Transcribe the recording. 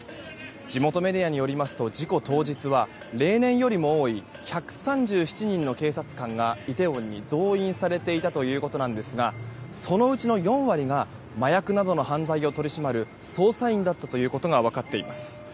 地元メディアによりますと事故当日は例年よりも多い１３７人の警察官がイテウォンに増員されていたということなんですがそのうちの４割が麻薬などの犯罪を取り締まる捜査員だったということが分かっています。